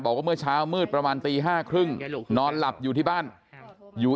บอกว่าเมื่อเช้ามืดประมาณตี๕๓๐นอนหลับอยู่ที่บ้านอยู่